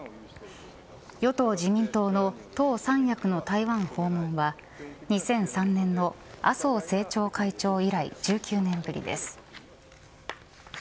与党、自民党の党３役の台湾訪問は２００３年の麻生政調会長以来１９年ぶりです。